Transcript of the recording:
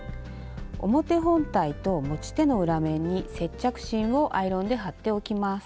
表本体と持ち手の裏面に接着芯をアイロンで貼っておきます。